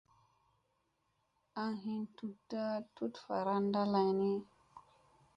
Aŋ hin tutta tut varanda lay ni.